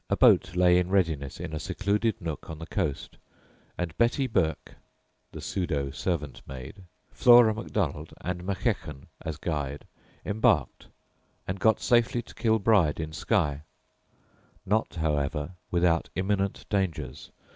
A boat lay in readiness in a secluded nook on the coast, and "Betty Burke" the pseudo servant maid Flora Macdonald, and Mackechan, as guide, embarked and got safely to Kilbride, in Skye. Not, however, without imminent dangers.